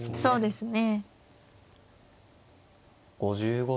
そうですね。